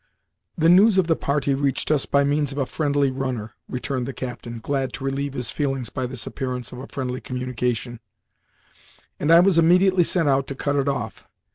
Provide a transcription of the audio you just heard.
"The news of the party reached us by means of a friendly runner," returned the Captain, glad to relieve his feelings by this appearance of a friendly communication, "and I was immediately sent out to cut it off.